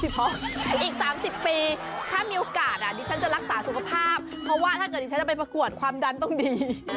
อีก๓๐ปีถ้ามีโอกาสดิฉันจะรักษาสุขภาพเพราะว่าถ้าเกิดดิฉันจะไปประกวดความดันต้องดี